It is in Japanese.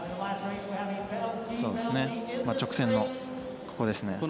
直線のここですね。